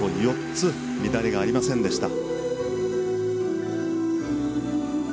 ４つ乱れがありませんでした。